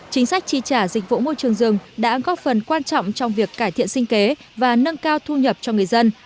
chính sách tri trả dịch vụ môi trường rừng đã góp phần quan trọng trong việc cải thiện sinh kế và nâng cao thu nhập cho người dân